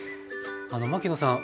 牧野さん